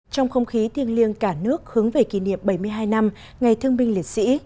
trong không khí thiêng liêng cả nước hướng về kỷ niệm bảy mươi hai năm ngày thương binh liệt sĩ